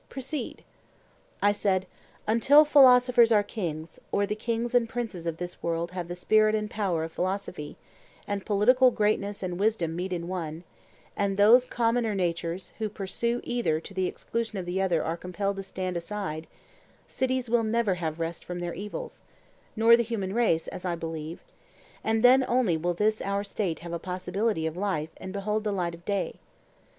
Proceed. I said: 'Until philosophers are kings, or the kings and princes of this world have the spirit and power of philosophy, and political greatness and wisdom meet in one, and those commoner natures who pursue either to the exclusion of the other are compelled to stand aside, cities will never have rest from their evils,—nor the human race, as I believe,—and then only will this our State have a possibility of life and behold the light of day.